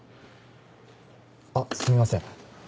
あっすみません。